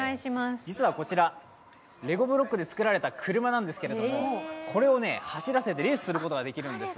実は、こちらレゴブロックで作られた車なんですけども、これを走らせてレースすることができるんです。